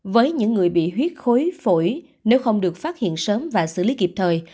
với những người bị huyết khối nếu không được phát hiện sớm và xử lý kịp thời